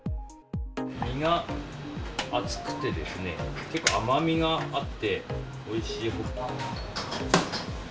身が厚くてですね、結構甘みがあって、おいしいホッキ。